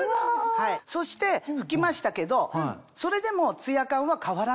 そして拭きましたけどそれでもツヤ感は変わらない。